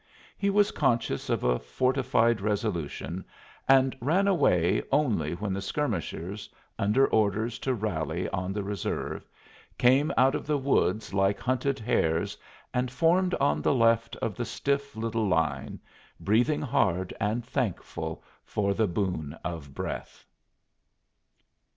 He was conscious of a fortified resolution and ran away only when the skirmishers, under orders to rally on the reserve, came out of the woods like hunted hares and formed on the left of the stiff little line, breathing hard and thankful for the boon of breath.